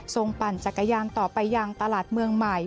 ปั่นจักรยานต่อไปยังตลาดเมืองใหม่